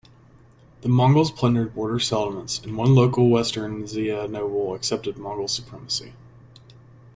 The Mongols plundered border settlements and one local Western Xia noble accepted Mongol supremacy.